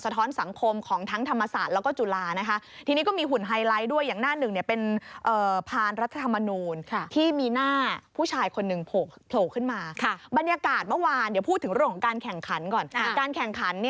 สะท้อนสังคมของทั้งธรรมศาสตร์แล้วก็จุฬาธรรมศาสตร์นะคะ